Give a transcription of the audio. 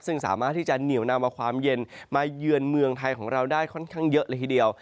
ซึ่งสามารถที่จะเหนียวนำเอาความเย็นมาเยือนเมืองไทยของเราได้ค่อนข้างเยอะเลยทีเดียว